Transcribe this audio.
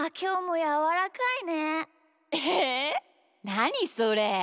なにそれ。